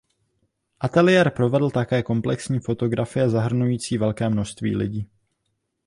Ateliér provedl také komplexní fotografie zahrnující velké množství lidí.